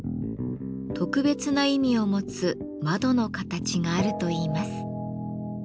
特別な意味を持つ「窓の形」があるといいます。